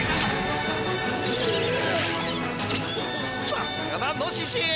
さすがだノシシ！